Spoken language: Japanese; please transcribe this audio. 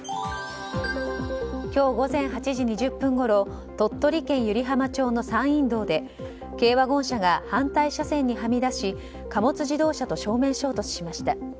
今日午前８時２０分ごろ鳥取県湯梨浜町の山陰道で軽ワゴン車が反対車線にはみ出し貨物自動車と正面衝突しました。